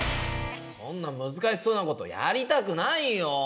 そんな難しそうなことやりたくないよ！